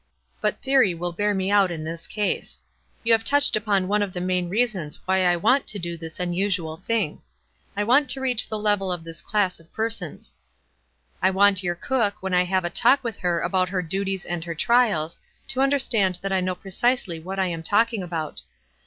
But theory will bear me out in this case. You have tl6 WISE AND OTHERWISE. touched upon one of the main reasons why I want to do this unusual thing. I want to reach the level of this class of persons. I want your cook, when I have a talk with her about her duties and her trials, to understand that I know precisely what I am talking about.